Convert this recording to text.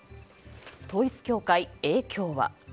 統一教会、影響は。